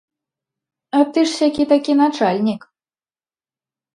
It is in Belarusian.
А ты ж сякі-такі начальнік.